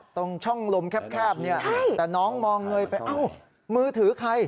ตรงช่องลมแคบเนี่ยแต่น้องมองเงยไปเอ้ามือถือใคร